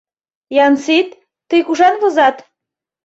Янсит, тый кушан возат?